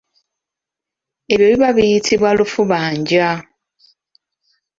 Ebyo biba biyitibwa lufuubanja.